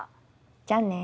じゃあね。